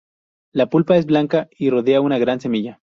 La pulpa es blanca y rodea una gran semilla.